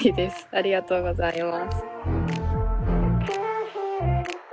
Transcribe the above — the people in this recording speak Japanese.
ありがとうございます。